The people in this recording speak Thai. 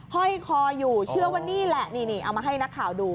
ห้อยคออยู่เชื่อว่านี่แหละนี่เอามาให้นักข่าวดู